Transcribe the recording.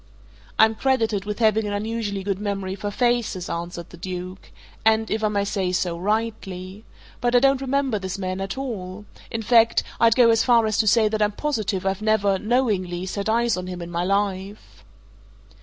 "I'm credited with having an unusually good memory for faces," answered the Duke. "And if I may say so rightly. But I don't remember this man at all in fact, I'd go as far as to say that I'm positive I've never knowingly set eyes on him in my life."